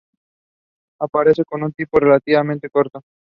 Aparecen en un tiempo relativamente corto.